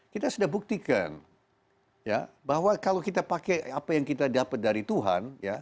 kita sudah buktikan bahwa kalau kita pakai apa yang kita dapat dari tuhan